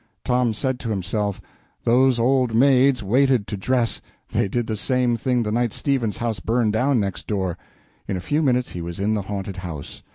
Tom said to himself, "Those old maids waited to dress they did the same thing the night Stevens's house burned down next door." In a few minutes he was in the haunted house.